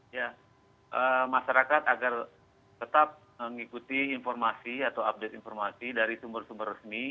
ya masyarakat agar tetap mengikuti informasi atau update informasi dari sumber sumber resmi